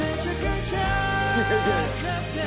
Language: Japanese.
いやいや。